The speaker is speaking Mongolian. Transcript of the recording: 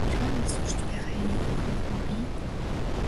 Зургаан нас хүрч байгаа нэг хөөрхөн хүү бий.